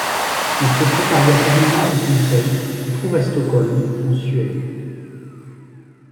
Le secrétariat permanent du Conseil se trouve à Stockholm, en Suède.